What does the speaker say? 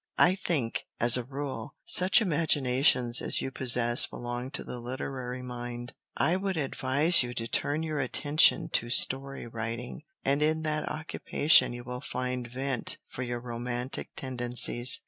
I think, as a rule, such imaginations as you possess belong to the literary mind. I would advise you to turn your attention to story writing, and in that occupation you will find vent for your romantic tendencies.